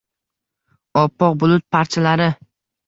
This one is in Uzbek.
oppoq bulut parchalari